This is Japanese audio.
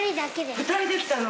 ２人で来たの？